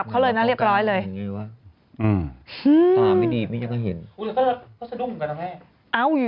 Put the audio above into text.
เป็นเรื่องที่พูดถึงกันไป